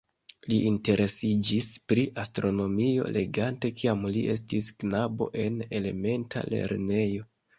Li interesiĝis pri astronomio legante kiam li estis knabo en elementa lernejo.